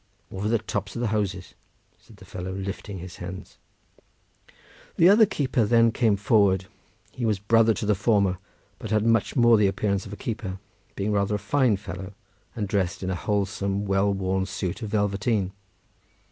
"Over the tops of the houses," said the fellow, lifting up his hands. The other keeper then came forward; he was brother to the former, but had much more the appearance of a keeper, being rather a fine fellow and dressed in a wholesome, well worn suit of velveteen.